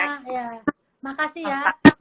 terima kasih ya